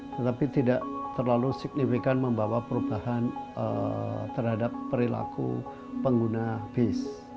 tetapi tidak terlalu signifikan membawa perubahan terhadap perilaku pengguna bis